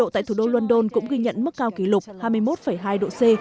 thủ đô london cũng ghi nhận mức cao kỷ lục hai mươi một hai độ c